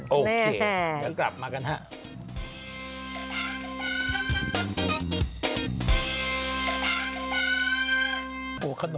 แน่แห่งโอเคเดี๋ยวกลับมากันฮะแน่แห่งเดี๋ยวกลับมากันฮะ